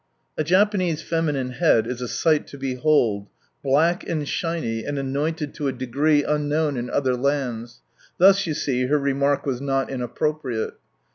" A Japanese feminine head is a sight to behold, black, and shiny, and anointed to a degree unknown in other lands, thus you see, her remark was not inappropriate.